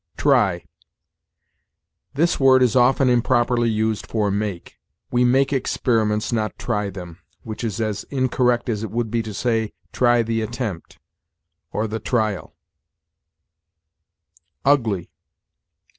TRY. This word is often improperly used for make. We make experiments, not try them, which is as incorrect as it would be to say, try the attempt, or the trial. UGLY.